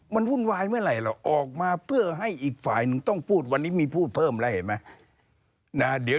มันวุ่นวายเมื่อไหร่หรอกออกมาเพื่อให้อีกฝ่ายหนึ่งต้องพูดวันนี้มีพูดเพิ่มแล้วเห็นไหม